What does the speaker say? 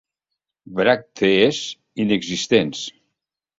Bràctees inexistents.